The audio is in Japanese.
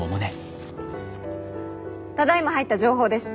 ただいま入った情報です。